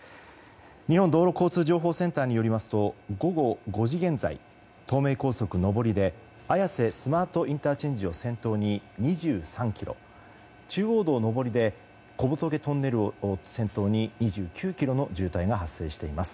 日本道路交通情報センターによりますと午後５時現在、東名高速上りで綾瀬スマートＩＣを先頭に２３ｋｍ中央道上りで小仏トンネルを先頭に２９ｋｍの渋滞が発生しています。